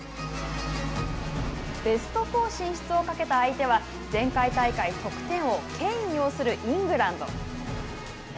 ベスト４進出をかけた相手は前回大会得点王ケイン擁するイングランド。